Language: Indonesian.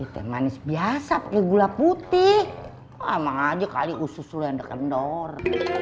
teh manis biasa pake gula putih lama aja kali usus lo yang dekendor